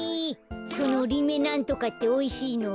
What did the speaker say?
そのリメなんとかっておいしいの？